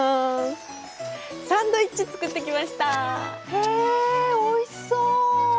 へえおいしそう。